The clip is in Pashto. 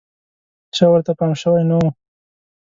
چا ورته پام شوی نه و.